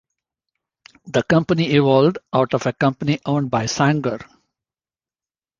The company evolved out of a company owned by Sangor.